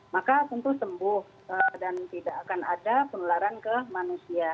maka tentu sembuh dan tidak akan ada penularan ke manusia